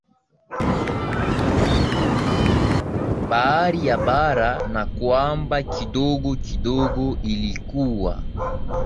bahari ya bara na kwamba kidogo kidogo ilikuwa